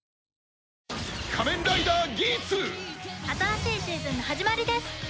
新しいシーズンの始まりです！